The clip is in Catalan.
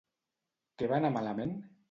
Què va anar malament?